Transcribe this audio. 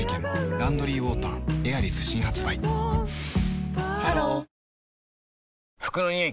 「ランドリーウォーターエアリス」新発売ハロー服のニオイ